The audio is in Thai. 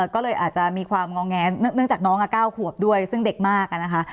ก็เลยอาจจะมีความงอแงเนื่องจากน้อง๙ขวบด้วยซึ่งเด็กมากนะคะ